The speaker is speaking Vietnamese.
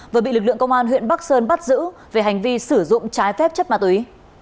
vừa bị lực lượng công an huyện bắc sơn bắt giữ về hành vi sử dụng trái phép chất ma túy